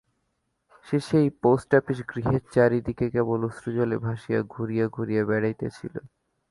সে সেই পোস্টআপিস গৃহের চারি দিকে কেবল অশ্রুজলে ভাসিয়া ঘুরিয়া ঘুরিয়া বেড়াইতেছিল।